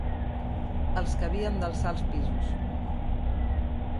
Els que havien d'alçar els pisos